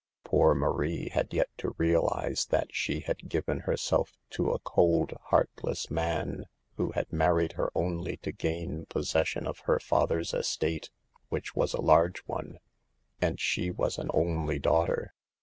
Poor Marie had yet to realize that she had given herself to a cold, heartless man, who had married her only to gain possession of her father's estate, which was a large one, and she was an only daughter.